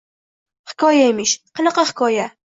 Hikoya emish, qanaqa hikoya?!